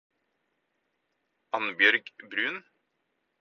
Annbjørg Bruun